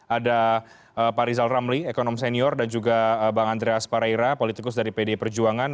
ada pak rizal ramli ekonom senior dan juga bang andreas pareira politikus dari pdi perjuangan